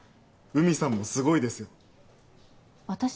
海さんもすごいですよ私？